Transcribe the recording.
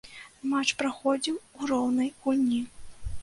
Матч праходзіў у роўнай гульні.